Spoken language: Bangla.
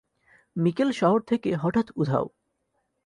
মিকেল শহর থেকে হঠাৎ উধাও।